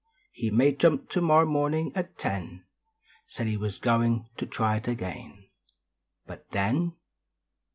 Me may jump tomorrer Mornin at ten Said he w. is goin t<> Try it again Hut then.